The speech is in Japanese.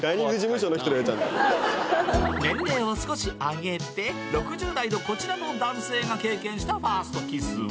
年齢を少し上げて６０代のこちらの男性が経験したファーストキスは？